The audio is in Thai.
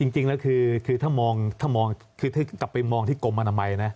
จริงแล้วคือถ้ากลับไปมองที่กลมอนามัย